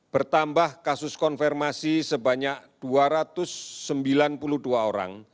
bertambah kasus konfirmasi sebanyak dua ratus sembilan puluh dua orang